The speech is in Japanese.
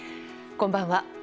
こんばんは。